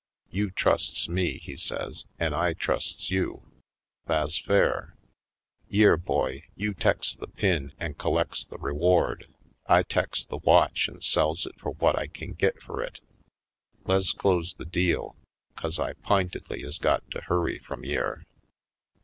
You trusts me," he says, "an' I trusts you — tha's fair. Yere, boy, you teks the pin an' collects the reward. I teks the watch an' sells it fur whut I kin git fur it. Le's close the deal 'cause I p'intedly is got to hurry frum yere."